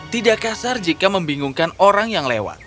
tidak kasar jika membingungkan orang yang lewat